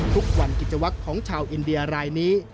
ทุกวันกิจวักของชาวอินเดียรายนี้